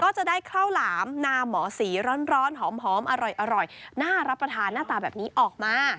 ก็จะได้ข้าวหลามนาหมอสีร้อนหอมอร่อยน่ารับประทานหน้าตาแบบนี้ออกมา